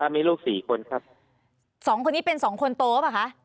มีลูกสี่คนครับสองคนนี้เป็นสองคนโตปะคะ